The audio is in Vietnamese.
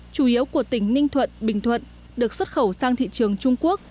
chủ yếu của tỉnh ninh thuận bình thuận được xuất khẩu sang thị trường trung quốc